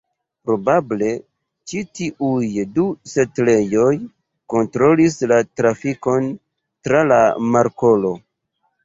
Probable, ĉi tiuj du setlejoj kontrolis la trafikon tra la markolo.